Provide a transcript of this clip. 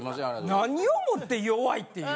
何をもって弱いっていう。